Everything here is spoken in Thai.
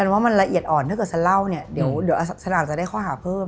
ว่ามันละเอียดอ่อนถ้าเกิดจะเล่าเนี่ยเดี๋ยวสลากจะได้ข้อหาเพิ่ม